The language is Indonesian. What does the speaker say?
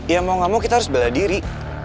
ya mau gak mau kita harus bela diri